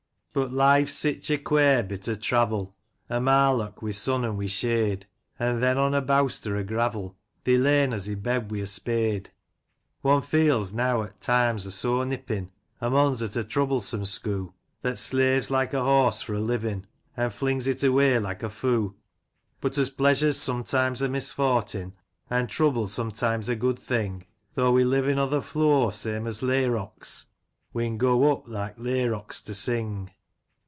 But life's sich a quare bit o' travel — A marlock wi* sun an* wi* shade — An* then, on a bowster o* gravel, They lay'n us i* bed wi' a spade ! One feels, neaw *at times are so nippin*, A mon's at a troublesome scboo', That slaves like a horse for a livin*, An* flings it away like a foo* ; But as pleasur*s sometimes a misfortin', An* trouble sometimes a good thing — Though we livin* o* th* floor same as layrocks, We*n go up, like layrocks, to sing